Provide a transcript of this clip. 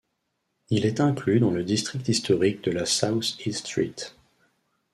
Il est inclus dans le district historique de la South East Street.